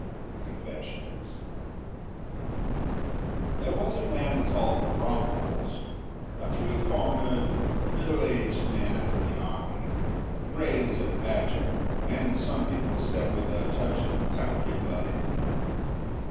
CONFESSIONS There was a man called Bronckhorst a three cornered, middle aged man in the Army grey as a badger, and, some people said, with a touch of country blood in him.